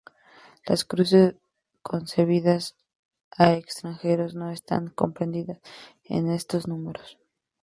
Las cruces concebidas a extranjeros no están comprendidas en estos números.